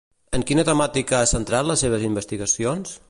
En quina temàtica ha centrat les seves investigacions?